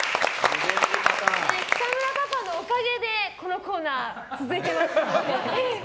北村パパのおかげでこのコーナー、続いていますので。